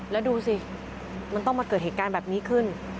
แล้วดูสิมันต้องมาเกิดเหตุการณ์แบบนี้ขึ้น